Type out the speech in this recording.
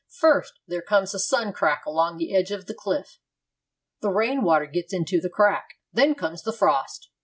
First there comes a sun crack along the edge of the cliff; the rain water gets into the crack; then comes the frost.